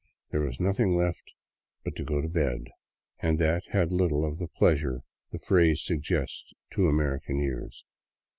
There was nothing left but to go to bed, and that had little of the pleasure the phrase suggests to American ears.